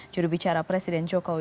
judul bicara presiden jokowi